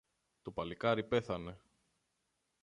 Το παλικάρι πέθανε.